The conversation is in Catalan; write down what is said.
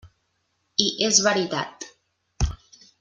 I és veritat.